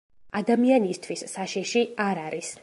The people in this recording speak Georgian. ადამიანისთვის საშიში არ არის.